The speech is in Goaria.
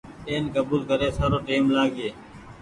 اين ڪبول ڪري سارو ٽيم لآگيئي۔